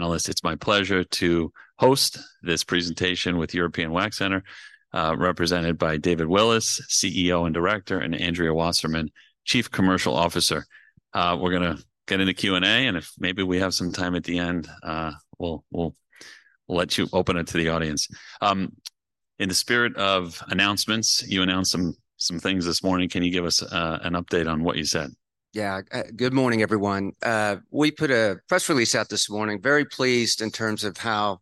Analyst. It's my pleasure to host this presentation with European Wax Center, represented by David Willis, CEO and Director, and Andrea Wasserman, Chief Commercial Officer. We're gonna get into Q&A, and if maybe we have some time at the end, we'll let you open it to the audience. In the spirit of announcements, you announced some things this morning. Can you give us an update on what you said? Yeah. Good morning, everyone. We put a press release out this morning. Very pleased in terms of how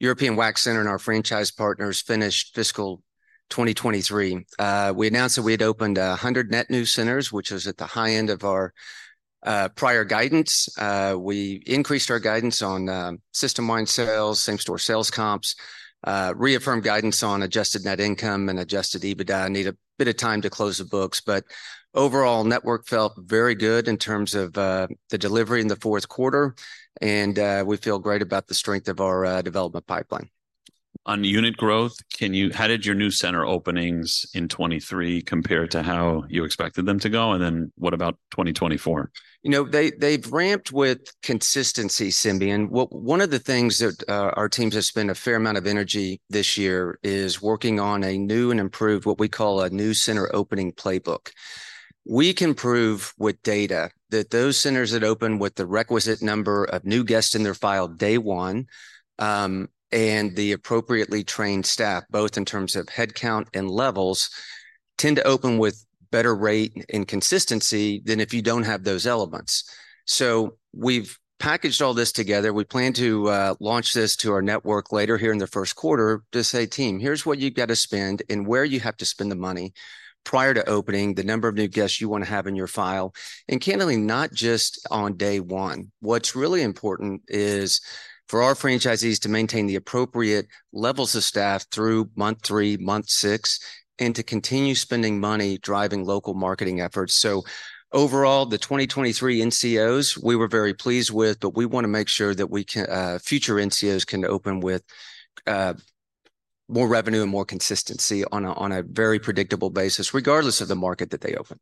European Wax Center and our franchise partners finished fiscal 2023. We announced that we had opened 100 net new centers, which is at the high end of our prior guidance. We increased our guidance on system-wide sales, same-store sales comps, reaffirmed guidance on Adjusted Net Income and Adjusted EBITDA. Need a bit of time to close the books, but overall, network felt very good in terms of the delivery in the fourth quarter, and we feel great about the strength of our development pipeline. On unit growth, how did your new center openings in 2023 compare to how you expected them to go? And then what about 2024? You know, they've ramped with consistency, Simeon. One of the things that our teams have spent a fair amount of energy this year is working on a new and improved, what we call a new center opening playbook. We can prove with data that those centers that open with the requisite number of new guests in their file, day one, and the appropriately trained staff, both in terms of head count and levels, tend to open with better rate and consistency than if you don't have those elements. So we've packaged all this together. We plan to launch this to our network later here in the first quarter to say, "Team, here's what you've got to spend and where you have to spend the money prior to opening, the number of new guests you wanna have in your file," and candidly, not just on day one. What's really important is for our franchisees to maintain the appropriate levels of staff through month three, month six, and to continue spending money driving local marketing efforts. So overall, the 2023 NCOs, we were very pleased with, but we wanna make sure that we can... future NCOs can open with more revenue and more consistency on a very predictable basis, regardless of the market that they open.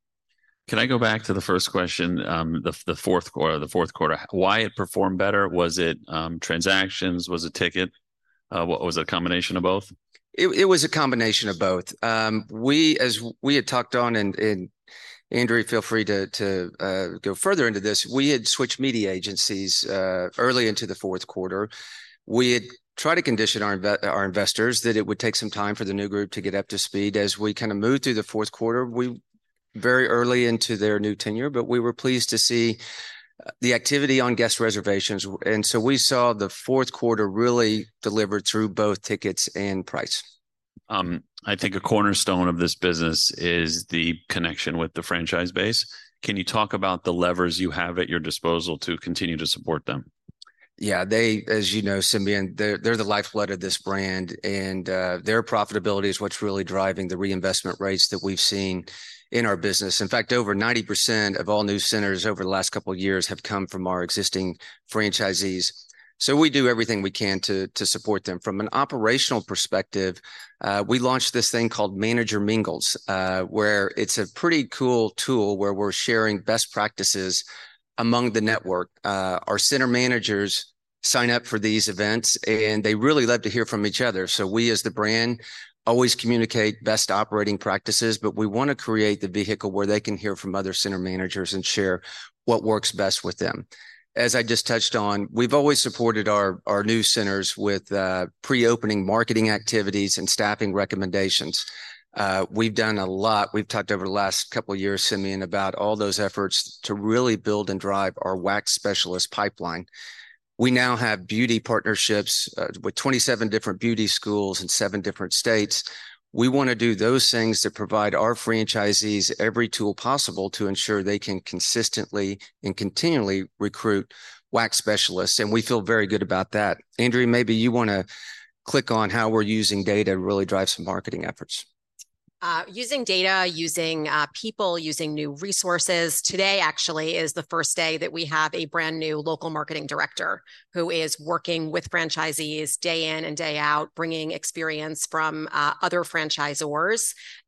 Can I go back to the first question, the fourth quarter. Why it performed better? Was it transactions? Was it ticket? Was it a combination of both? It was a combination of both. As we had talked on, and Andrea, feel free to go further into this, we had switched media agencies early into the fourth quarter. We had tried to condition our investors that it would take some time for the new group to get up to speed. As we kind of moved through the fourth quarter, we very early into their new tenure, but we were pleased to see the activity on guest reservations, and so we saw the fourth quarter really delivered through both tickets and price. I think a cornerstone of this business is the connection with the franchise base. Can you talk about the levers you have at your disposal to continue to support them? Yeah, they, as you know, Simeon, they're the lifeblood of this brand, and their profitability is what's really driving the reinvestment rates that we've seen in our business. In fact, over 90% of all new centers over the last couple of years have come from our existing franchisees, so we do everything we can to support them. From an operational perspective, we launched this thing called Manager Mingles, where it's a pretty cool tool where we're sharing best practices among the network. Our center managers sign up for these events, and they really love to hear from each other. So we, as the brand, always communicate best operating practices, but we wanna create the vehicle where they can hear from other center managers and share what works best with them. As I just touched on, we've always supported our new centers with pre-opening marketing activities and staffing recommendations. We've done a lot. We've talked over the last couple of years, Simeon, about all those efforts to really build and drive our wax specialist pipeline. We now have beauty partnerships with 27 different beauty schools in seven different states. We wanna do those things to provide our franchisees every tool possible to ensure they can consistently and continually recruit wax specialists, and we feel very good about that. Andrea, maybe you wanna click on how we're using data to really drive some marketing efforts. Using data, using people, using new resources. Today, actually, is the first day that we have a brand-new local marketing director who is working with franchisees day in and day out, bringing experience from, other franchisors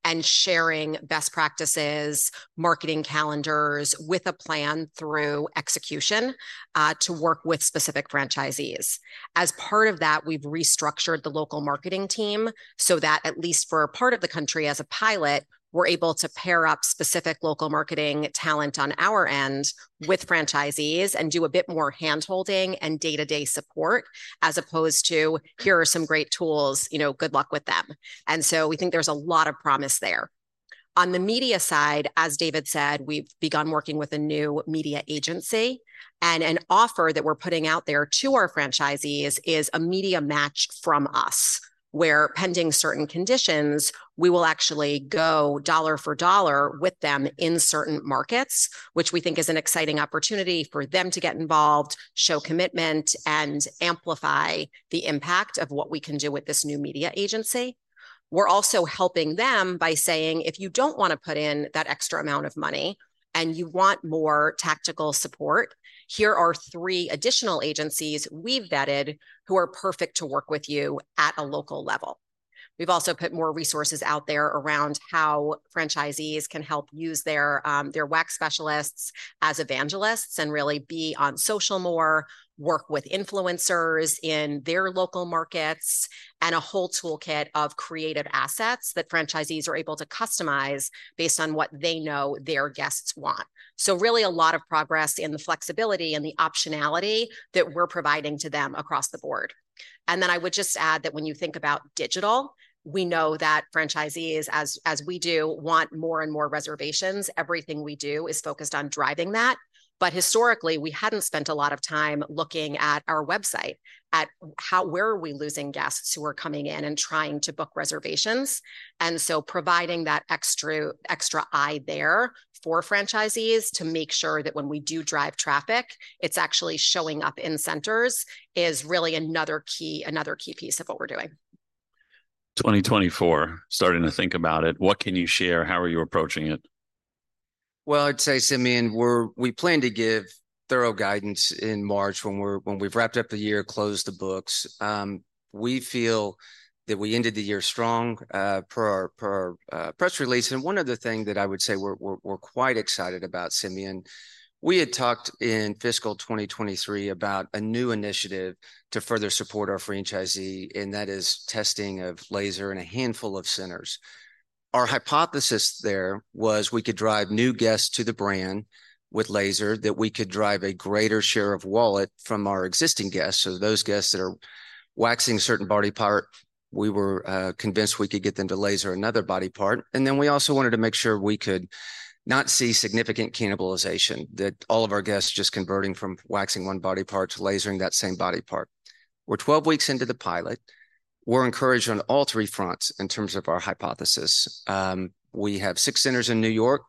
and sharing best practices, marketing calendars with a plan through execution, to work with specific franchisees. As part of that, we've restructured the local marketing team so that at least for a part of the country, as a pilot, we're able to pair up specific local marketing talent on our end with franchisees and do a bit more hand-holding and day-to-day support, as opposed to, "Here are some great tools, you know, good luck with them." And so we think there's a lot of promise there. On the media side, as David said, we've begun working with a new media agency, and an offer that we're putting out there to our franchisees is a media match from us, where pending certain conditions, we will actually go dollar for dollar with them in certain markets, which we think is an exciting opportunity for them to get involved, show commitment, and amplify the impact of what we can do with this new media agency. We're also helping them by saying: If you don't wanna put in that extra amount of money and you want more tactical support, here are three additional agencies we've vetted who are perfect to work with you at a local level. We've also put more resources out there around how franchisees can help use their wax specialists as evangelists, and really be on social more, work with influencers in their local markets, and a whole toolkit of creative assets that franchisees are able to customize based on what they know their guests want. So really a lot of progress in the flexibility and the optionality that we're providing to them across the board. And then I would just add that when you think about digital, we know that franchisees, as we do, want more and more reservations. Everything we do is focused on driving that. But historically, we hadn't spent a lot of time looking at our website, where are we losing guests who are coming in and trying to book reservations? Providing that extra, extra eye there for franchisees to make sure that when we do drive traffic, it's actually showing up in centers, is really another key, another key piece of what we're doing. 2024, starting to think about it. What can you share? How are you approaching it? Well, I'd say, Simeon, we plan to give thorough guidance in March when we've wrapped up the year, closed the books. We feel that we ended the year strong per our press release. And one other thing that I would say we're quite excited about, Simeon, we had talked in fiscal 2023 about a new initiative to further support our franchisee, and that is testing of laser in a handful of centers. Our hypothesis there was we could drive new guests to the brand with laser, that we could drive a greater share of wallet from our existing guests. So those guests that are waxing a certain body part, we were convinced we could get them to laser another body part. And then we also wanted to make sure we could not see significant cannibalization, that all of our guests just converting from waxing one body part to lasering that same body part. We're 12 weeks into the pilot. We're encouraged on all three fronts in terms of our hypothesis. We have six centers in New York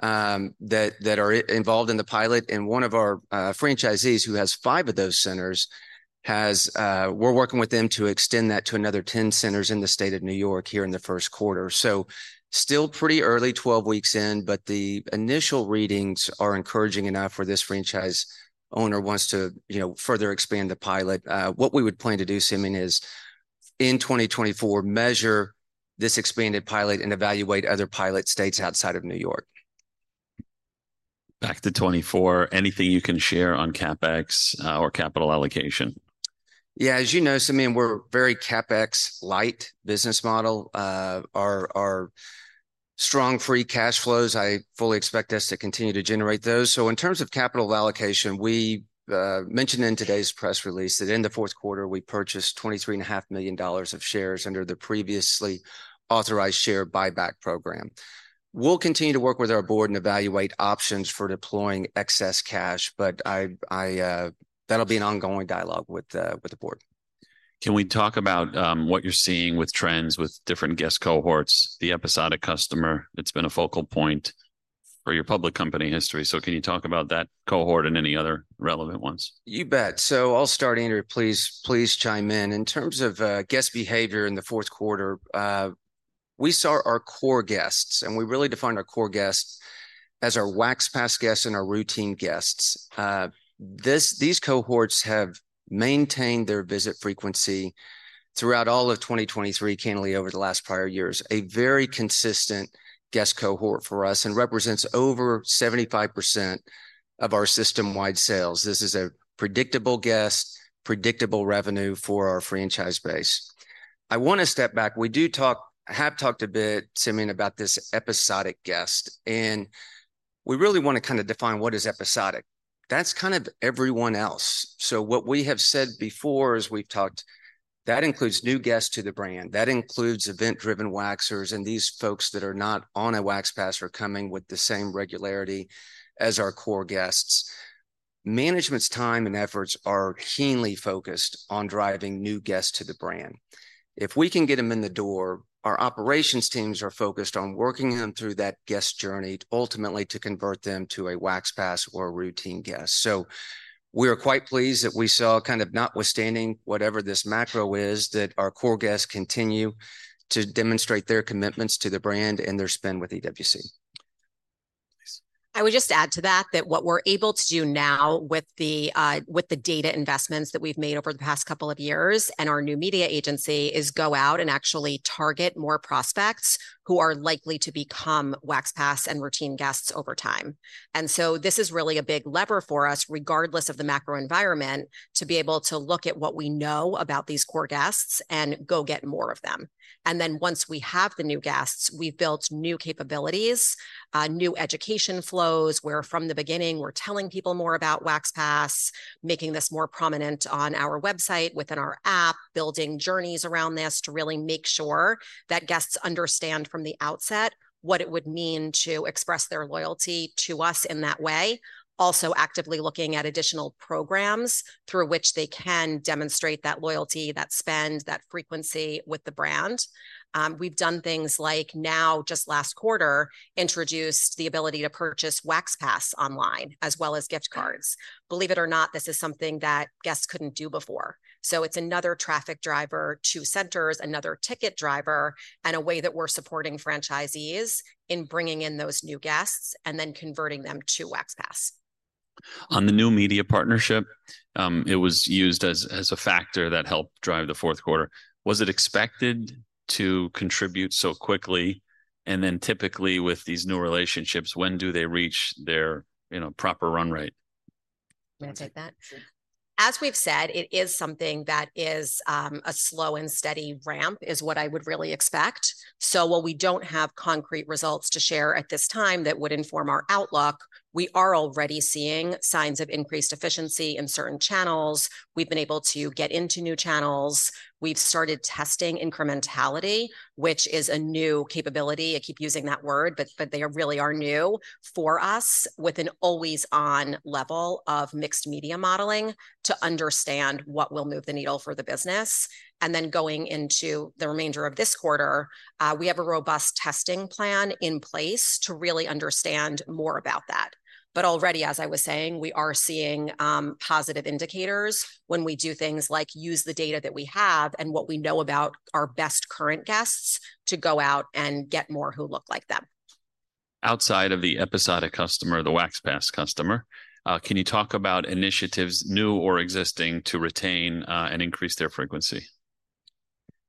that are involved in the pilot, and one of our franchisees, who has five of those centers, has... We're working with them to extend that to another 10 centers in the state of New York here in the first quarter. So still pretty early, 12 weeks in, but the initial readings are encouraging enough for this franchise owner wants to, you know, further expand the pilot. What we would plan to do, Simeon, is in 2024, measure this expanded pilot and evaluate other pilot states outside of New York. Back to 2024, anything you can share on CapEx, or capital allocation? Yeah, as you know, Simeon, we're very CapEx-light business model. Our strong free cash flows, I fully expect us to continue to generate those. So in terms of capital allocation, we mentioned in today's press release that in the fourth quarter, we purchased $23.5 million of shares under the previously authorized share buyback program. We'll continue to work with our board and evaluate options for deploying excess cash, but that'll be an ongoing dialogue with the board. Can we talk about what you're seeing with trends with different guest cohorts, the episodic customer? It's been a focal point for your public company history. Can you talk about that cohort and any other relevant ones? You bet. So I'll start, Andrea, please, please chime in. In terms of guest behavior in the fourth quarter, we saw our core guests, and we really defined our core guests as our Wax Pass guests and our routine guests. This, these cohorts have maintained their visit frequency throughout all of 2023, candidly, over the last prior years. A very consistent guest cohort for us, and represents over 75% of our system-wide sales. This is a predictable guest, predictable revenue for our franchise base. I want to step back. We do talk. I have talked a bit, Simeon, about this episodic guest, and we really want to kind of define what is episodic. That's kind of everyone else. So what we have said before is we've talked... That includes new guests to the brand. That includes bid-driven waxers, and these folks that are not on a Wax Pass or coming with the same regularity as our core guests. Management's time and efforts are keenly focused on driving new guests to the brand. If we can get them in the door, our operations teams are focused on working them through that guest journey, ultimately to convert them to a Wax Pass or a routine guest. So we are quite pleased that we saw, kind of notwithstanding whatever this macro is, that our core guests continue to demonstrate their commitments to the brand and their spend with EWC. I would just add to that, that what we're able to do now with the, with the data investments that we've made over the past couple of years and our new media agency, is go out and actually target more prospects who are likely to become Wax Pass and routine guests over time. And so this is really a big lever for us, regardless of the macro environment, to be able to look at what we know about these core guests and go get more of them. And then once we have the new guests, we've built new capabilities, new education flows, where from the beginning, we're telling people more about Wax Pass, making this more prominent on our website, within our app, building journeys around this to really make sure that guests understand from the outset what it would mean to express their loyalty to us in that way. Also, actively looking at additional programs through which they can demonstrate that loyalty, that spend, that frequency with the brand. We've done things like now, just last quarter, introduced the ability to purchase Wax Pass online, as well as gift cards. Believe it or not, this is something that guests couldn't do before, so it's another traffic driver to centers, another ticket driver, and a way that we're supporting franchisees in bringing in those new guests and then converting them to Wax Pass. On the new media partnership, it was used as, as a factor that helped drive the fourth quarter. Was it expected to contribute so quickly? And then typically, with these new relationships, when do they reach their, you know, proper run rate? You wanna take that? Sure. As we've said, it is something that is a slow and steady ramp, is what I would really expect. So while we don't have concrete results to share at this time that would inform our outlook, we are already seeing signs of increased efficiency in certain channels. We've been able to get into new channels. We've started testing incrementality, which is a new capability. I keep using that word, but they really are new for us, with an always-on level of mixed media modeling, to understand what will move the needle for the business. And then going into the remainder of this quarter, we have a robust testing plan in place to really understand more about that. But already, as I was saying, we are seeing positive indicators when we do things like use the data that we have and what we know about our best current guests to go out and get more who look like them. Outside of the episodic customer, the Wax Pass customer, can you talk about initiatives, new or existing, to retain, and increase their frequency?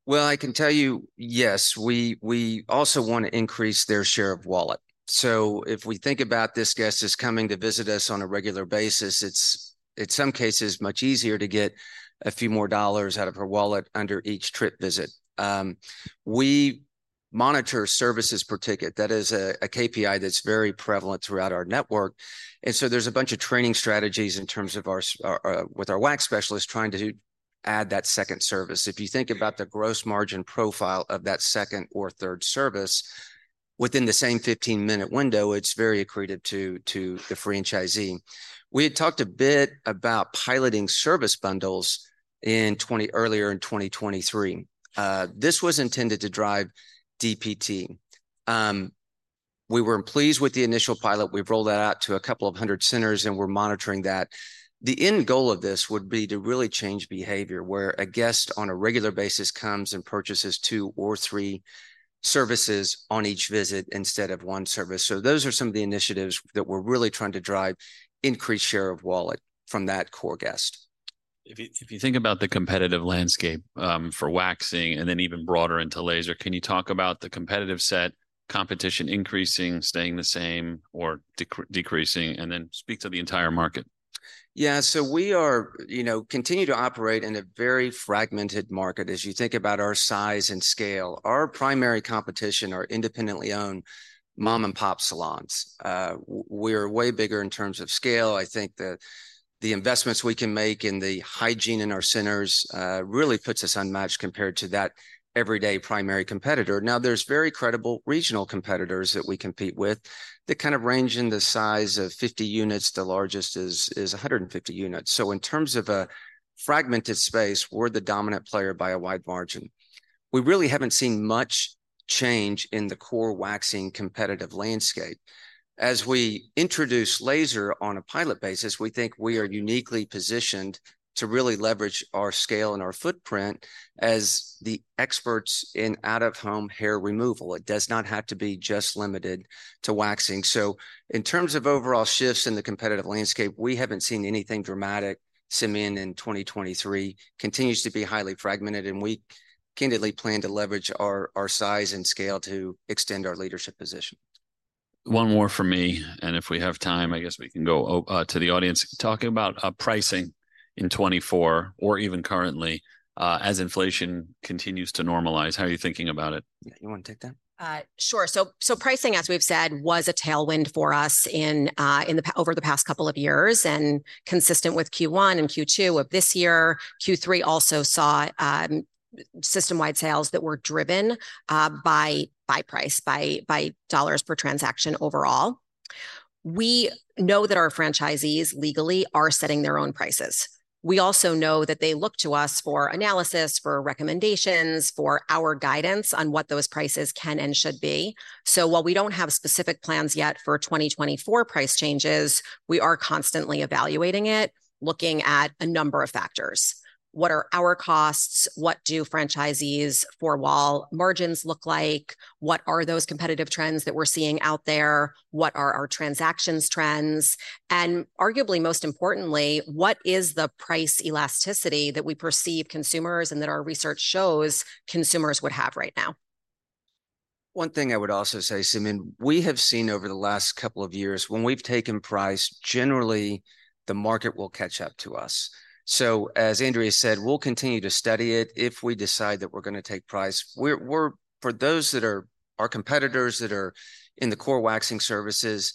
Well, I can tell you, yes, we also want to increase their share of wallet. So if we think about this guest as coming to visit us on a regular basis, it's, in some cases, much easier to get a few more dollars out of her wallet under each trip visit. We monitor services per ticket. That is a KPI that's very prevalent throughout our network, and so there's a bunch of training strategies in terms of our with our wax specialists trying to add that second service. If you think about the gross margin profile of that second or third service within the same 15-minute window, it's very accretive to the franchisee. We had talked a bit about piloting service bundles in earlier in 2023. This was intended to drive DPT. We were pleased with the initial pilot. We've rolled that out to a couple of hundred centers, and we're monitoring that. The end goal of this would be to really change behavior, where a guest, on a regular basis, comes and purchases two or three services on each visit instead of one service. So those are some of the initiatives that we're really trying to drive increased share of wallet from that core guest. If you think about the competitive landscape for waxing, and then even broader into laser, can you talk about the competitive set, competition increasing, staying the same, or decreasing? And then speak to the entire market. Yeah, so we are, you know, continue to operate in a very fragmented market. As you think about our size and scale, our primary competition are independently owned mom-and-pop salons. We're way bigger in terms of scale. I think the investments we can make in the hygiene in our centers really puts us unmatched compared to that everyday primary competitor. Now, there's very credible regional competitors that we compete with that kind of range in the size of 50 units. The largest is a 150 units. So in terms of a fragmented space, we're the dominant player by a wide margin. We really haven't seen much change in the core waxing competitive landscape. As we introduce laser on a pilot basis, we think we are uniquely positioned to really leverage our scale and our footprint as the experts in out-of-home hair removal. It does not have to be just limited to waxing. So in terms of overall shifts in the competitive landscape, we haven't seen anything dramatic, Simeon, in 2023. Continues to be highly fragmented, and we candidly plan to leverage our, our size and scale to extend our leadership position. One more from me, and if we have time, I guess we can go to the audience. Talking about pricing in 2024, or even currently, as inflation continues to normalize, how are you thinking about it? You wanna take that? Sure. So pricing, as we've said, was a tailwind for us in over the past couple of years, and consistent with Q1 and Q2 of this year. Q3 also saw system-wide sales that were driven by price, by dollars per transaction overall. We know that our franchisees legally are setting their own prices. We also know that they look to us for analysis, for recommendations, for our guidance on what those prices can and should be. So while we don't have specific plans yet for 2024 price changes, we are constantly evaluating it, looking at a number of factors. What are our costs? What do franchisees' four-wall margins look like? What are those competitive trends that we're seeing out there? What are our transactions trends? Arguably most importantly, what is the price elasticity that we perceive consumers, and that our research shows consumers would have right now? One thing I would also say, Simeon, we have seen over the last couple of years, when we've taken price, generally the market will catch up to us. So as Andrea said, we'll continue to study it. If we decide that we're gonna take price, we're... For those that are our competitors, that are in the core waxing services,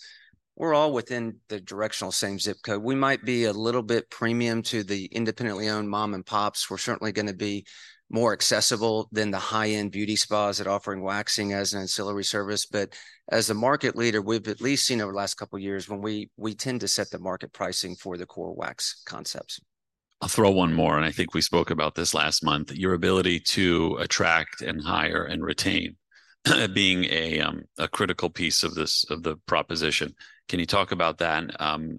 we're all within the directional same zip code. We might be a little bit premium to the independently owned mom-and-pops. We're certainly gonna be more accessible than the high-end beauty spas that are offering waxing as an ancillary service. But as the market leader, we've at least seen over the last couple of years, when we tend to set the market pricing for the core wax concepts. I'll throw one more, and I think we spoke about this last month, your ability to attract and hire and retain, being a critical piece of this, of the proposition. Can you talk about that?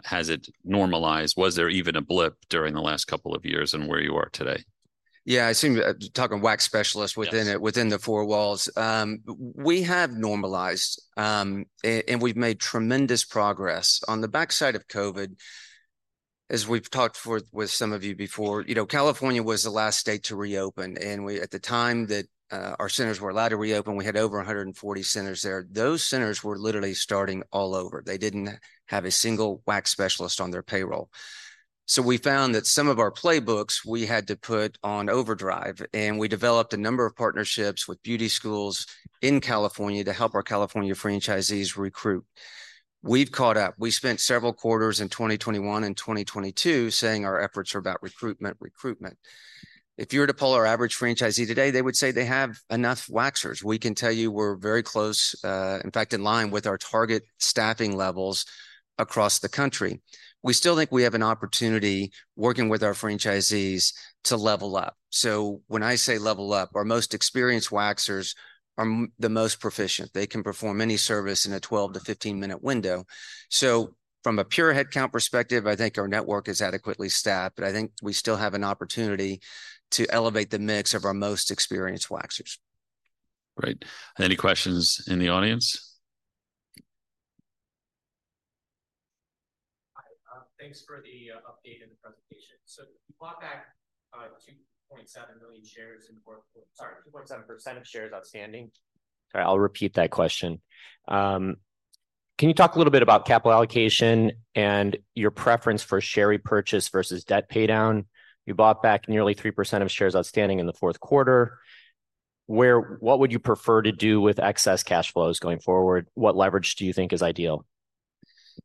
Has it normalized? Was there even a blip during the last couple of years, and where you are today?... Yeah, I assume you're talking wax specialists within it- Yes Within the four walls. We have normalized, and we've made tremendous progress. On the backside of COVID, as we've talked with some of you before, you know, California was the last state to reopen, and at the time that our centers were allowed to reopen, we had over 140 centers there. Those centers were literally starting all over. They didn't have a single wax specialist on their payroll. So we found that some of our playbooks, we had to put on overdrive, and we developed a number of partnerships with beauty schools in California to help our California franchisees recruit. We've caught up. We spent several quarters in 2021 and 2022 saying our efforts are about recruitment, recruitment. If you were to poll our average franchisee today, they would say they have enough waxers. We can tell you we're very close, in fact, in line with our target staffing levels across the country. We still think we have an opportunity, working with our franchisees, to level up. So when I say level up, our most experienced waxers are the most proficient. They can perform any service in a 12-15-minute window. So from a pure headcount perspective, I think our network is adequately staffed, but I think we still have an opportunity to elevate the mix of our most experienced waxers. Great. Any questions in the audience? Hi, thanks for the update and the presentation. So you bought back 2.7% of shares outstanding. Sorry, I'll repeat that question. Can you talk a little bit about capital allocation and your preference for share repurchase versus debt paydown? You bought back nearly 3% of shares outstanding in the fourth quarter. What would you prefer to do with excess cash flows going forward? What leverage do you think is ideal?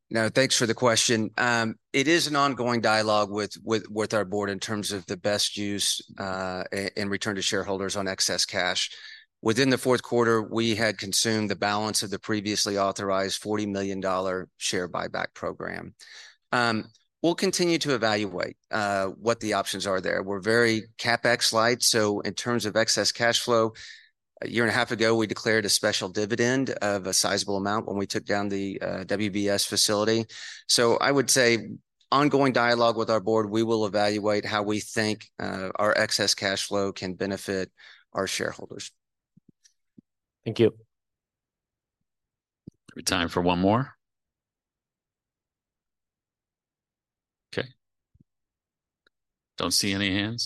No, thanks for the question. It is an ongoing dialogue with, with, with our board in terms of the best use, and return to shareholders on excess cash. Within the fourth quarter, we had consumed the balance of the previously authorized $40 million share buyback program. We'll continue to evaluate what the options are there. We're very CapEx light, so in terms of excess cash flow, a year and a half ago, we declared a special dividend of a sizable amount when we took down the WBS facility. So I would say ongoing dialogue with our board, we will evaluate how we think our excess cash flow can benefit our shareholders. Thank you. We have time for one more. Okay. Don't see any hands?